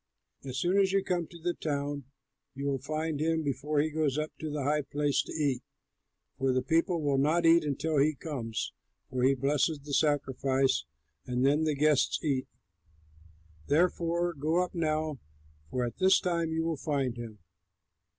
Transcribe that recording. As soon as you come to the town, you will find him before he goes up to the high place to eat, for the people will not eat until he comes, for he blesses the sacrifice, and then the guests eat. Therefore go up now, for at this time you will find him."